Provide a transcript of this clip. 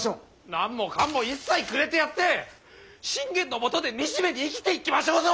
何もかんも一切くれてやって信玄のもとで惨めに生きていきましょうぞ！